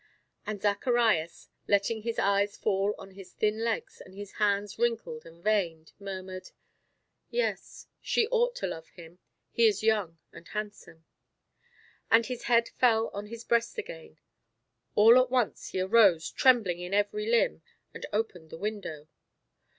And Zacharias, letting his eyes fall on his thin legs and his hands wrinkled and veined, murmured: "Yes, she ought to love him; he is young and handsome." And his head fell on his breast again. All at once he arose, trembling in every limb, and opened the window.